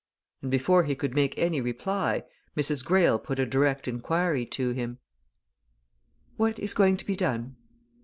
And before he could make any reply Mrs. Greyle put a direct inquiry to him. "What is going to be done?"